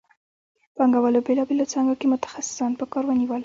پانګوالو په بېلابېلو څانګو کې متخصصان په کار ونیول